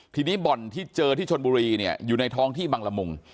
ทีนี้บ่อนที่เจอที่ชนบุรีเนี่ยอยู่ในท้องที่บังละมุง